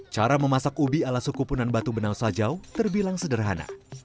cara memasak ubi ala suku punan batu benau sajau terbilang sederhana